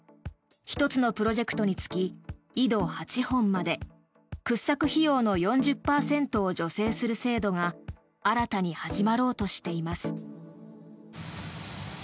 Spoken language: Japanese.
１つのプロジェクトにつき井戸８本まで掘削費用の４０％を助成する制度が新たに始まろうとしています。